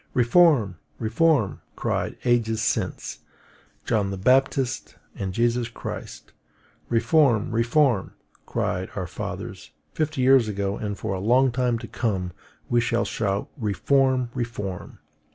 Reform, reform! cried, ages since, John the Baptist and Jesus Christ. Reform, reform! cried our fathers, fifty years ago; and for a long time to come we shall shout, Reform, reform!